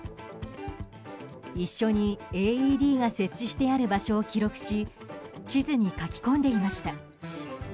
一緒に、ＡＥＤが設置してある場所を記録し地図に書き込んでいました。